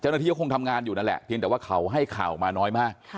เจ้าหน้าที่ก็คงทำงานอยู่นั่นแหละเพียงแต่ว่าเขาให้ข่าวออกมาน้อยมาก